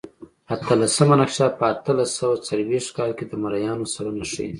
اتلسمه نقشه په اتلس سوه څلوېښت کال کې د مریانو سلنه ښيي.